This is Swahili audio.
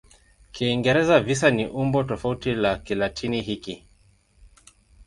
Kiingereza "visa" ni umbo tofauti la Kilatini hiki.